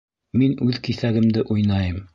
Мин үҙ киҫәгемде уйнайым!